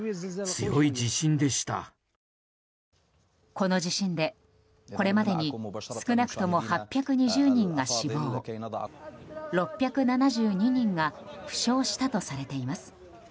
この地震で、これまでに少なくとも８２０人が死亡６７２人が負傷したとされています。